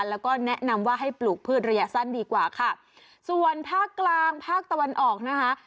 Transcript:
แล้วก็แนะนำว่าให้ปลูกพืชระยะสั้นดีกว่าค่ะส่วนภาคกลางภาคตะวันออกนะคะ